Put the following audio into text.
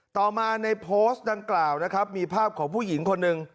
ต่อมาในโพสต์ดังกล่าวนะครับมีภาพของผู้หญิงคนหนึ่ง